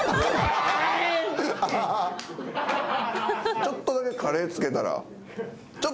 ちょっとだけカレー付けたら？